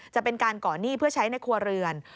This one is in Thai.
จะเป็นการก่อนหนี้เพื่อใช้ในครัวเรือน